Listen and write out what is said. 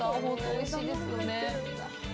おいしいですよね？